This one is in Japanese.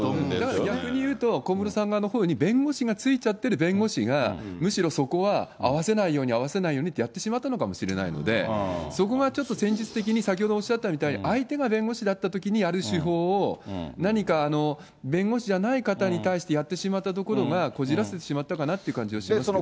逆にいうと、小室さん側のほうに弁護士がついちゃってる弁護士が、むしろそこは合わせないように、会わせないようにってやってしまったかもしれないので、そこがちょっと、戦術的に先ほどおっしゃったみたいに、相手が弁護士だったときにやる手法を、何か弁護士じゃない方に対してやってしまったところが、こじらせてしまったかなという感じはしますけどね。